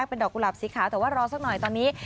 เป็นดอกกุหลาบสีขาวแต่ว่ารอสักหน่อยตอนนี้